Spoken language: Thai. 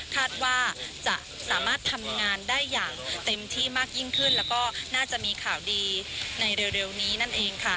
คาดว่าจะสามารถทำงานได้อย่างเต็มที่มากยิ่งขึ้นแล้วก็น่าจะมีข่าวดีในเร็วนี้นั่นเองค่ะ